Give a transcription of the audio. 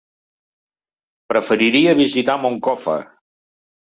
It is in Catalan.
Preferiria visitar Moncofa.